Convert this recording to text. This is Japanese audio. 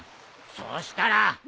そしたら。